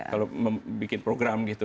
kalau membuat program gitu